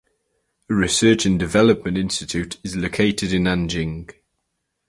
A research and development institute is located in Nanjing.